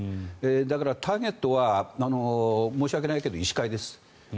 だから、ターゲットは申し訳ないけど医師会です。